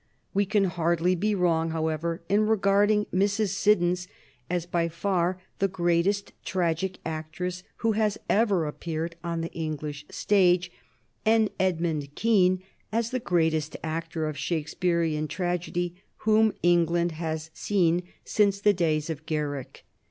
We can hardly be wrong, however, in regarding Mrs. Siddons as by far the greatest tragic actress who has ever appeared on the English stage, and Edmund Kean as the greatest actor of Shakespearian tragedy whom England has seen since the days of Garrick.